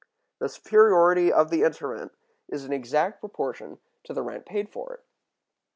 The superiority of the instrument is in exact proportion to the rent paid for it.